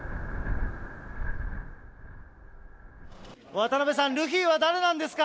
渡辺さん、ルフィは誰なんですか。